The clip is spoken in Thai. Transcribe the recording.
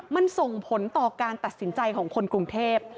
มันส่งผลต่อการตัดสินใจของคนกรุงเทพ